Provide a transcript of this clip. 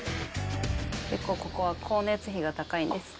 結構、ここは光熱費が高いんです。